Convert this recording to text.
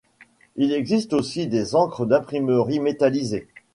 Il existe aussi des encres d'imprimerie métallisées.